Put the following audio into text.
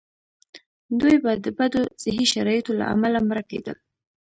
دوی به د بدو صحي شرایطو له امله مړه کېدل.